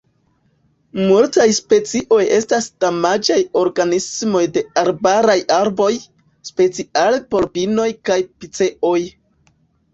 Multaj specioj estas damaĝaj organismoj de arbaraj arboj, speciale por pinoj kaj piceoj.